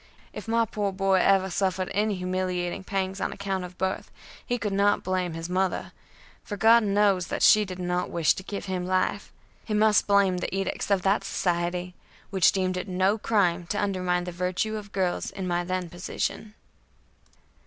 If my poor boy ever suffered any humiliating pangs on account of birth, he could not blame his mother, for God knows that she did not wish to give him life; he must blame the edicts of that society which deemed it no crime to undermine the virtue of girls in my then position.